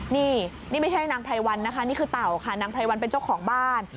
นี่ไม่ใช่นางไพรวันนี่คือเต่าค่ะเป็นเจ้าของบ้าน